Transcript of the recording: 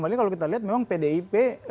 apalagi kalau kita lihat memang pdip